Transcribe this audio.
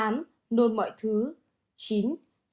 chín trẻ không bú được hoặc không ăn không uống được